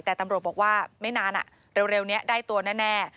แต่ตำรวจบอกว่าไม่นานเร็วนี้ได้ตัวแน่